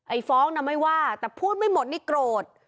ฟ้องน่ะไม่ว่าแต่พูดไม่หมดนี่โกรธ